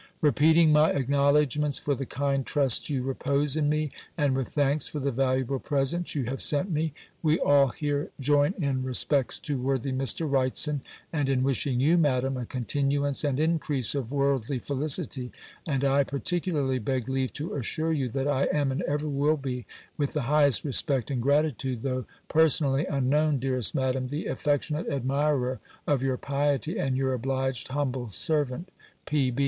"Repeating my acknowledgements for the kind trust you repose in me, and with thanks for the valuable present you have sent me, we all here join in respects to worthy Mr. Wrightson, and in wishing you. Madam, a continuance and increase of worldly felicity; and I particularly beg leave to assure you, that I am, and ever will be, with the highest respect and gratitude, though personally unknown, dearest Madam, the affectionate admirer of your piety, and your obliged humble servant, "P.B."